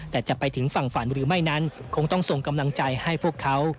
แต่จะไปถึงฝั่งฝันหรือไม่นั้นคงต้องส่งกำลังใจให้พวกเขา